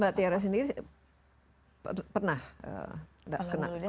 mbak tiara sendiri pernah gak kena covid